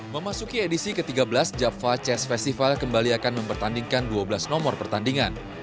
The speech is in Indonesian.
memasuki edisi ke tiga belas java chess festival kembali akan mempertandingkan dua belas nomor pertandingan